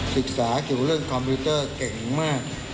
ศึกษาเกี่ยวกับเรื่องคอมพิวเตอร์เก่งมาก